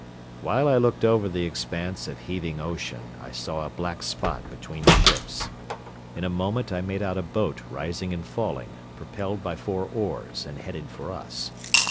While I looked over the expanse of heaving ocean I saw a black spot between the ships. In a moment I made out a boat rising and falling, propelled by four oars, and headed for us.